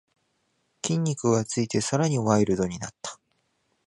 筋肉がついてさらにワイルドになった